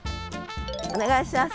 お願いします。